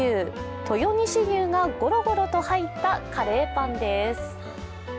豊西牛がごろごろと入ったカレーパンです。